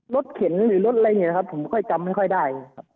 เข็นหรือรถอะไรอย่างนี้นะครับผมค่อยจำไม่ค่อยได้ครับ